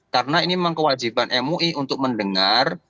karena ini memang kewajiban mui untuk mendengar